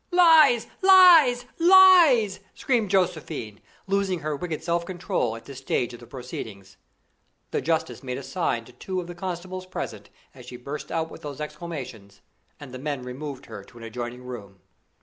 "Lies! lies! lies!" screamed Josephine, losing her wicked self control at this stage of the proceedings. The justice made a sign to two of the constables present as she burst out with those exclamations, and the men removed her to an adjoining room.